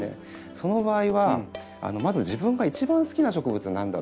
その場合はまず自分が一番好きな植物は何だろう。